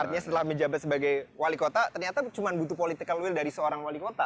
artinya setelah menjabat sebagai wali kota ternyata cuma butuh political will dari seorang wali kota